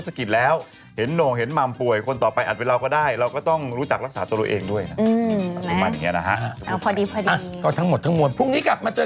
อีแตกเป็นยังไงเธอ